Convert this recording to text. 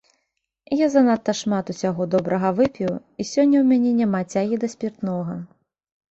Я занадта шмат усяго добрага выпіў, і сёння ў мяне няма цягі да спіртнога.